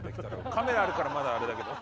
カメラあるからまだあれだけど。